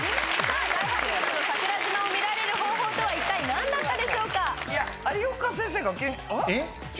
大迫力の桜島を見られる方法とは一体何だったでしょうか？